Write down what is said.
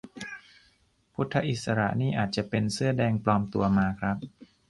พุทธอิสระนี่อาจจะเป็นเสื้อแดงปลอมตัวมาครับ